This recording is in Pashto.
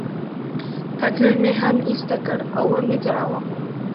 پتلون مې هم ایسته کړ، و مې ځړاوه.